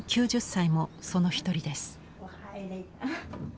９０歳もその一人です。